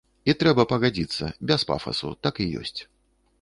І трэба пагадзіцца, без пафасу, так і ёсць.